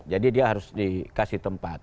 jadi dia harus dikasih tempat